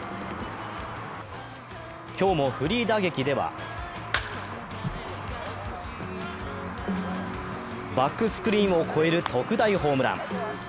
今日もフリー打撃ではバックスクリーンを越える特大ホームラン。